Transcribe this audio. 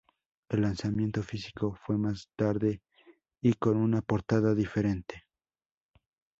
El lanzamiento físico fue más tarde y con una portada diferente.